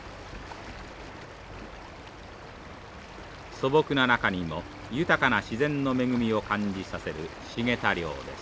素朴な中にも豊かな自然の恵みを感じさせるシゲタ漁です。